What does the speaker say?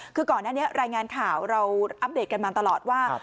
คือก่อนหน้านี้รายงานข่าวเราอัปเดตกันมาตลอดว่า